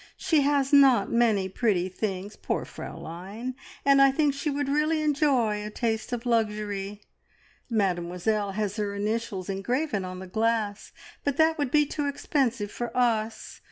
She has not many pretty things poor Fraulein! and I think she would really enjoy a taste of luxury. Mademoiselle has her initials engraven on the glass, but that would be too expensive for us.